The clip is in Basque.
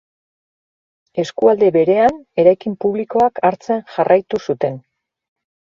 Eskualde berean, eraikin publikoak hartzen jarraitu zuten.